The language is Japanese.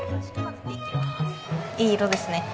いい色ですね